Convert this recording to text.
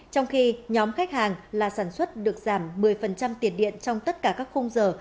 trong khi nhóm khách hàng là sản xuất được giảm một mươi tiền điện trong tất cả các khung giờ